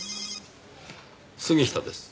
杉下です。